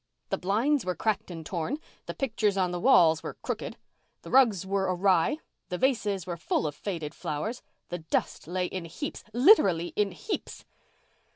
The blinds were cracked and torn. The pictures on the walls were crooked; the rugs were awry; the vases were full of faded flowers; the dust lay in heaps—literally in heaps.